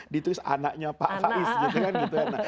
ditulis anaknya pak faiz gitu kan gitu ya